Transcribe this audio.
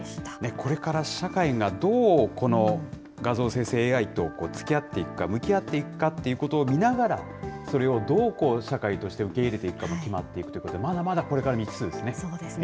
これから社会がどう、この画像生成ＡＩとつきあっていくか、向き合っていくかっていうことを見ながら、それをどう社会として受け入れていくかも決まっていくということで、まだまだこれから未知数ですね。